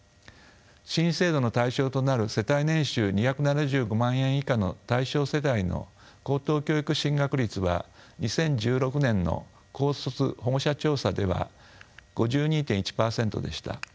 新制度の対象となる世帯年収２７５万円以下の対象世帯の高等教育進学率は２０１６年の高卒保護者調査では５２．１％でした。